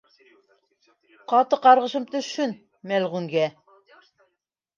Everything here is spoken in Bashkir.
— Ҡаты ҡарғышым төшһөн, мәлғүнгә.